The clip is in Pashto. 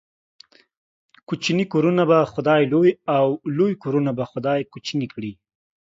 کوچني کورونه به خداى لوى ، او لوى کورونه به خداى کوچني کړي.